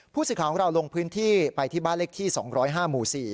ผู้สื่อข่าวของเราลงพื้นที่ไปที่บ้านเลขที่๒๐๕หมู่๔